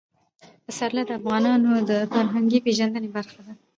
پسرلی د افغانانو د فرهنګي پیژندنې برخه ده.